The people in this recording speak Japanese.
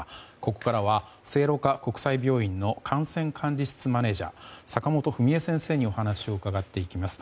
ここからは聖路加国際病院の感染管理室マネジャー坂本史衣先生にお話を伺っていきます。